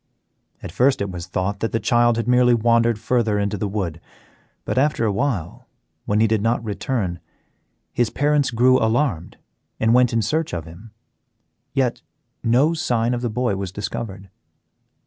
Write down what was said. At first it was thought that the child had merely wandered further into the wood, but after a while, when he did not return, his parents grew alarmed and went in search of him. Yet no sign of the boy was discovered.